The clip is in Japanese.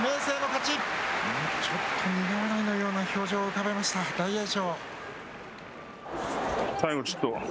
ちょっと苦笑いのような表情を浮かべました大栄翔。